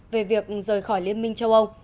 về việc rời khỏi liên minh châu âu